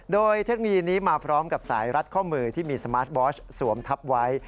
โดยเทคโนโลยีนี้มาพร้อมกับสายรัดข้อมือที่มีสมาร์ทวอชสวมทับไว้